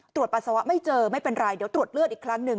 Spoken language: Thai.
ปัสสาวะไม่เจอไม่เป็นไรเดี๋ยวตรวจเลือดอีกครั้งหนึ่ง